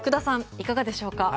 いかがでしょうか。